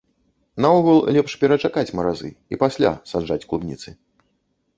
Наогул, лепш перачакаць маразы, і пасля саджаць клубніцы.